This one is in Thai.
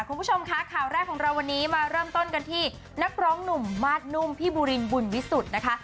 คุณผู้ชมคะข่าวแรกของเราวันนี้มาเริ่มต้นกันที่นักร้องหนุ่มมาสนุ่มพี่บูรินบุญวิสุทธิ์นะคะ